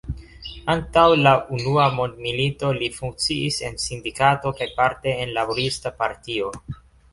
Antaŭ la unua mondmilito li funkciis en sindikato kaj parte en laborista partio.